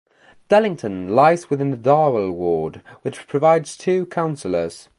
Dallington lies within the Darwell ward, which provides two councillors.